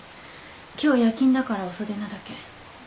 今日夜勤だから遅出なだけ。